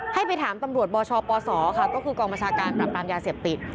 ให้ไปถามตำรวจบชบศค่ะก็คือกองประชาการกลับตามยาเสียบติด